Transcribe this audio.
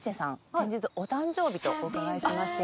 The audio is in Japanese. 先日お誕生日とお伺いしまして。